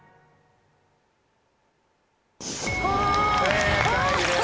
正解です。